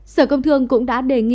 sở công thương cũng đã đề nghị